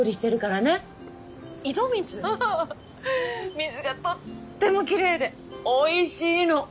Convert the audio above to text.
水がとっても奇麗でおいしいの。